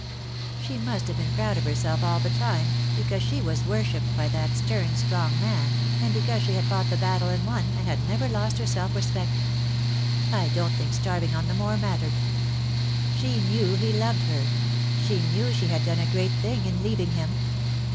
"She must have been proud of herself all the time, because she was worshipped by that stern strong man, and because she had fought the battle and won, and had never lost her self respect. I don't think starving on the moor mattered. She knew he loved her. She knew she had done a great thing in leaving him.